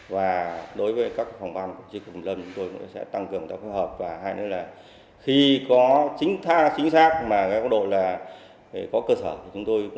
và đối với các phòng ban của tri cục kiểm lâm chúng tôi cũng sẽ tăng cường các phối hợp